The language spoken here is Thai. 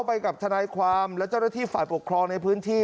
ไปกับทนายความและเจ้าหน้าที่ฝ่ายปกครองในพื้นที่